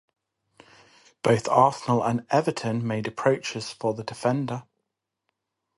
Both Arsenal and Everton made approaches for the defender.